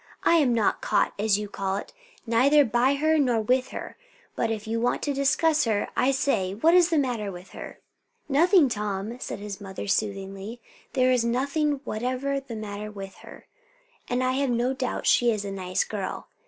"I am not caught, as you call it, neither by her nor with her; but if you want to discuss her, I say, what's the matter with her?" "Nothing, Tom!" said his mother soothingly; "there is nothing whatever the matter with her; and I have no doubt she is a nice girl.